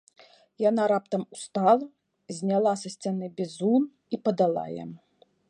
Яна раптам устала, зняла са сцяны бізун і падала яму.